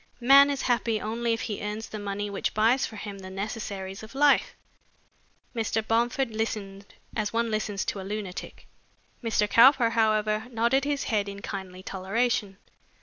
Man is happy only if he earns the money which buys for him the necessaries of life." Mr. Bomford listened as one listens to a lunatic. Mr. Cowper, however, nodded his head in kindly toleration.